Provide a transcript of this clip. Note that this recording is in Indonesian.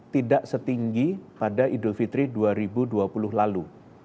tidak setinggi pada idul fitri dua ribu dua puluh lalu